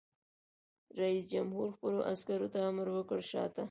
رئیس جمهور خپلو عسکرو ته امر وکړ؛ شاته!